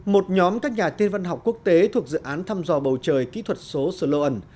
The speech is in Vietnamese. một nhóm các nhà tiên văn học quốc tế thuộc dự án thăm dò bầu trời kỹ thuật số solon